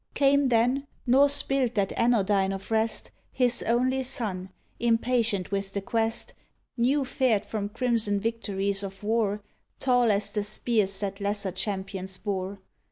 Came then, nor spilt that anodyne of rest. His only son, impatient with the quest. New fared from crimson victories of war, — Tall as the spears that lesser champions bore.